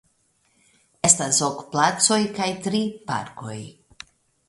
Estas ok placoj kaj tri parkoj.